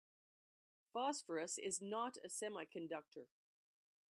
Phosphorus is not a semiconductor.